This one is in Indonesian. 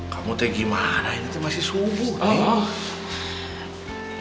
kamu tuh gimana ini tuh masih subuh nih